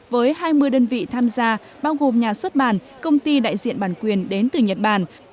với hai mươi đơn vị tham gia bao gồm nhà xuất bản công ty đại diện bản quyền đến từ nhật bản